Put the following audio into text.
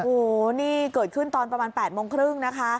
โอ้โหนี่เกิดขึ้นตอนประมาณ๘โมงครึ่งนะคะ